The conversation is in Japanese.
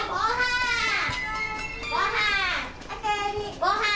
ごはん！